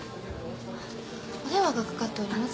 お電話がかかっております。